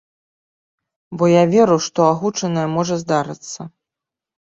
Бо я веру, што агучанае можа здарыцца.